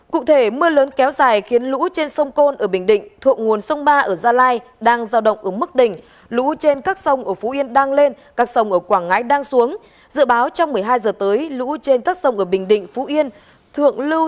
cụ thể mưa lớn kéo dài khiến lũ trên sông côn ở bình định thuộc nguồn sông ba ở gia lai đang giao động ở mức đỉnh